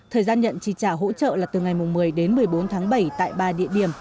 thời gian nhận trì trả hỗ trợ là từ ngày một mươi đến một mươi bốn tháng bảy tại ba địa điểm